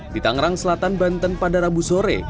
di tangerang selatan banten pada rabu sore